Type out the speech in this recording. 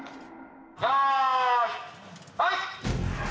よーい、はい！